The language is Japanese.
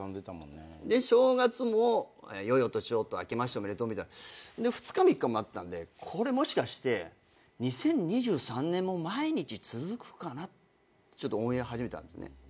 で正月も「良いお年を」と「あけましておめでとう」で２日３日もあったんでこれもしかして２０２３年も毎日続くかなってちょっと思い始めたんですね。